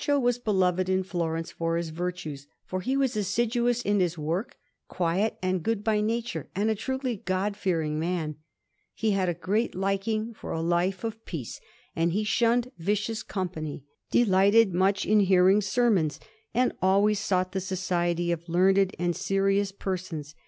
Panel_)] Baccio was beloved in Florence for his virtues, for he was assiduous in his work, quiet and good by nature, and a truly God fearing man; he had a great liking for a life of peace, and he shunned vicious company, delighted much in hearing sermons, and always sought the society of learned and serious persons.